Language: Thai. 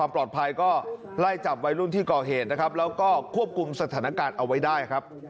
โปรดติดตามตอนต่อไป